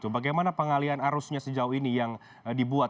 bagaimana pengalian arusnya sejauh ini yang dibuat